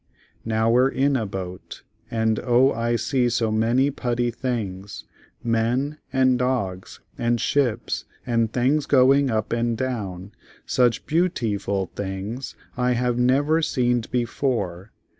Now we're in the boat, and O I see so many put ty things, men, and dogs, and ships and things going up and down; such beau ti ful things I have never seened before.